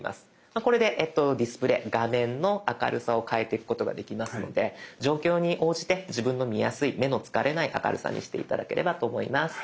これでディスプレイ画面の明るさを変えていくことができますので状況に応じて自分の見やすい目の疲れない明るさにして頂ければと思います。